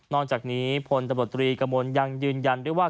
จากนี้พลตำรวจตรีกระมวลยังยืนยันด้วยว่า